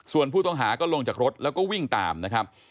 ส่วนผู้ต้องหาก็ลงจากรถแล้วก็วิ่งตามนะครับ